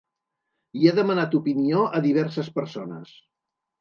I he demanat opinió a diverses persones.